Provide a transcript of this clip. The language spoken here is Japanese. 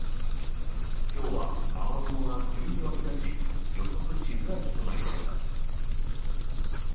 今日は雨雲が急に湧き出し予測しづらい日となりました。